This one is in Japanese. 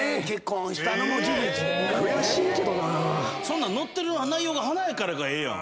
そんなん載ってる内容が華やかやからええやん。